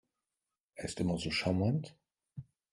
Er ist immer so charmant.